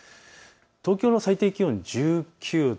東京の最低気温、１９度。